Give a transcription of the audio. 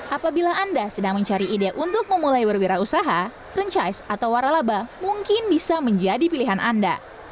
apabila anda sedang mencari ide untuk memulai berwirausaha franchise atau waralaba mungkin bisa menjadi pilihan anda